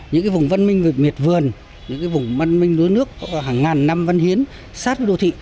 những vùng văn minh miệt vườn những vùng văn minh núi nước hàng ngàn năm văn hiến sát đô thị